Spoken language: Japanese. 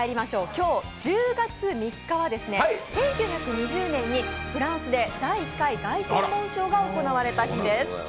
今日１０月３日は、１９２０年にフランスで第１回凱旋門賞が行われた日です。